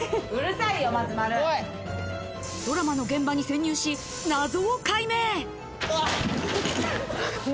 ドラマの現場に潜入し、謎を解明。